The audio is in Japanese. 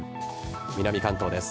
南関東です。